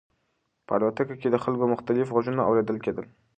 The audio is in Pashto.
په الوتکه کې د خلکو مختلف غږونه اورېدل کېدل.